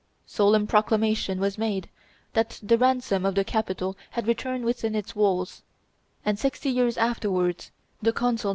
Solemn proclamation was made that the ransom of the Capitol had returned within its walls; and, sixty years afterwards, the Consul M.